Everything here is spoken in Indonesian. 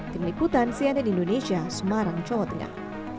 kenikutan cnn indonesia semarang jawa tengah